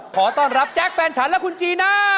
ขอต้อนรับแจ๊คแฟนฉันและคุณจีน่า